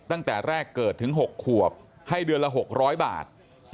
ตั้งแต่แรกเกิดถึง๖ขวบให้เดือนละ๖๐๐บาท